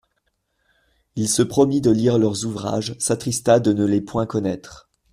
Il se promit de lire leurs ouvrages, s'attrista de ne les point connaître.